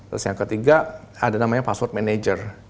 terus yang ketiga ada namanya password manager